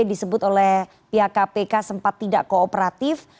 disebut oleh pihak kpk sempat tidak kooperatif